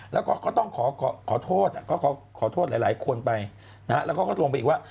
แล้วก็ต้องขอโทษหลายคนไปแล้วก็ลงไปอีกว่า